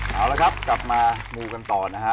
เอาละครับกลับมามูกันต่อนะฮะ